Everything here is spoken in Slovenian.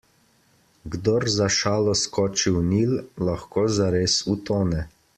Kdor za šalo skoči v Nil, lahko zares utone.